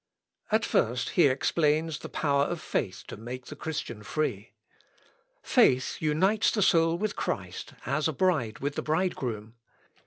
At first he explains the power of faith to make the Christian free. "Faith unites the soul with Christ, as a bride with the bridegroom.